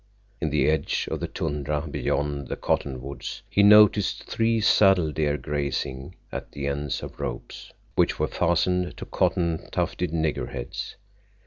In the edge of the tundra beyond the cottonwoods he noticed three saddle deer grazing at the ends of ropes which were fastened to cotton tufted nigger heads.